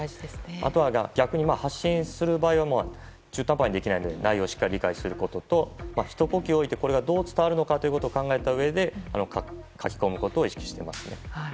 あとは逆に発信する場合は中途半端にはできないので内容をしっかり理解することとひと呼吸置いてこれがどう伝わるのかを考えたうえで書き込むことを意識していますね。